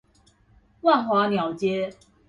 萬華鳥街